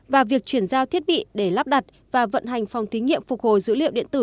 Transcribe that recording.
và việc chuyển giao thiết bị để lắp đặt và vận hành phòng thí nghiệm phục hồi dữ liệu điện tử